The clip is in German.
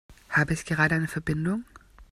Habe ich gerade eine Verbindung?